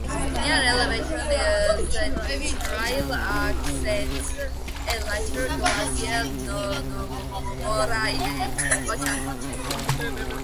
Near elevation, the trail ascends a lateral glacial moraine.